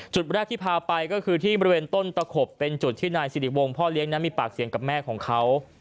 จุดแรกที่พาไปก็คือที่บริเวณต้นตะขบเป็นจุดที่นายสิริวงศ์พ่อเลี้ยงนั้นมีปากเสียงกับแม่ของเขา